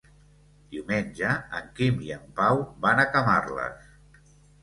Diumenge en Quim i en Pau van a Camarles.